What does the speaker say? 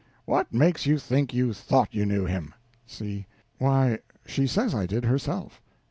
What makes you think you thought you knew him? C. Why, she says I did, herself.